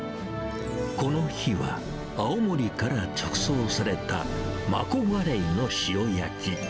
この日は、青森から直送されたマコガレイの塩焼き。